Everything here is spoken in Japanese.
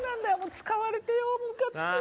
使われてよムカつく